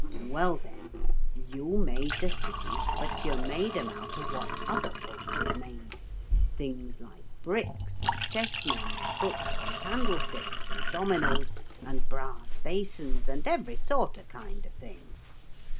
Well, then, you made the cities, but you made 'em out of what other folks had made, things like bricks and chessmen and books and candlesticks and dominoes and brass basins and every sort of kind of thing.